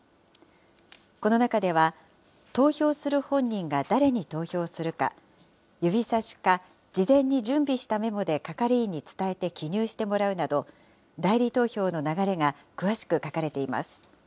この中では、投票する本人が誰に投票するか、指さしか、事前に準備したメモで係員に伝えて記入してもらうなど、代理投票の流れが詳しく書かれています。